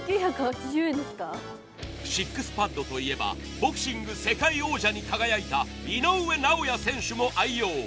ＳＩＸＰＡＤといえば、ボクシング世界王者に輝いた井上尚弥選手も愛用。